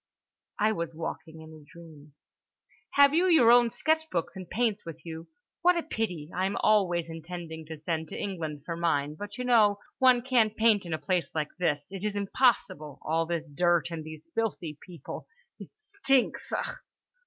I was walking in a dream. "Have you your sketch books and paints with you? What a pity. I am always intending to send to England for mine, but you know—one can't paint in a place like this. It is impossible—all this dirt and these filthy people—it stinks! Ugh!"